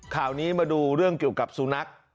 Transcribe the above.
ข่าวนี้มาดูเรื่องเกี่ยวกับสุนัข